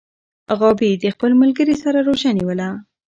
غابي د خپل ملګري سره روژه نیولې.